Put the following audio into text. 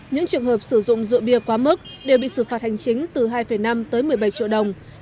những trường hợp sử dụng rượu bia quá mức đều bị xử phạt hành chính từ hai năm tới một mươi bảy triệu đồng